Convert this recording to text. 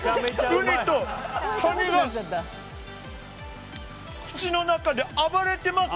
ウニとカニが口の中で暴れてます！